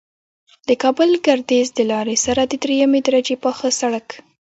د کابل گردیز د لارې سره د دریمې درجې پاخه سرک